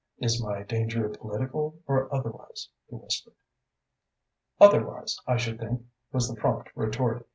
"Is my danger political or otherwise?" he whispered. "Otherwise, I should think," was the prompt retort.